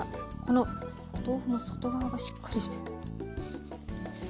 このお豆腐も外側がしっかりしてる。